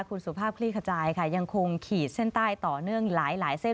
คุณสุภาพคลี่ขจายค่ะยังคงขีดเส้นใต้ต่อเนื่องหลายเส้น